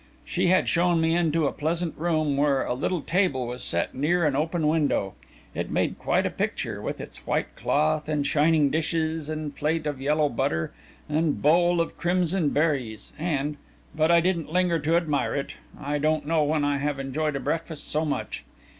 She had shown me into a pleasant room, where a little table was set near an open window. It made quite a picture, with its white cloth and shining dishes and plate of yellow butter, and bowl of crimson berries, and but I didn't linger to admire it. I don't know when I have enjoyed breakfast so much.